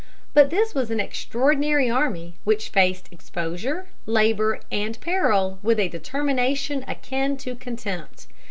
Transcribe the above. But this was an extraordinary army, which faced exposure, labor and peril with a determination akin to contempt.